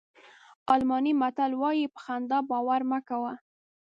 الماني متل وایي په خندا باور مه کوه.